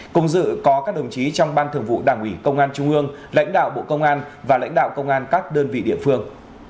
cùng dự có các đồng chí trong ban thường vụ đảng ủy công an trung ương lãnh đạo bộ công an và lãnh đạo công an các đơn vị địa phương